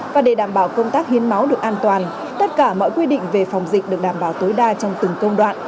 và để đảm bảo công tác hiến máu được an toàn tất cả mọi quy định về phòng dịch được đảm bảo tối đa trong từng công đoạn